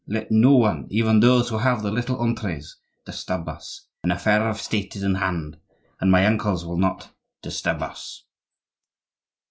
Let no one, even those who have the little entrees, disturb us; an affair of State is in hand, and my uncles will not disturb us."